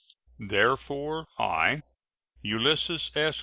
Therefore I, Ulysses S.